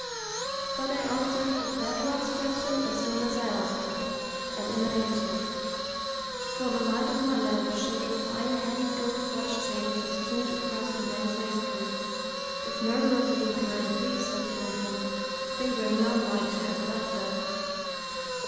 But I answered that last question as soon as I asked it, and in the negative, for the light of my lamp showed a fine, heavy gold watch chain festooned across the man's waistcoat if murderously inclined thieves had been at him, they were not like to have left that.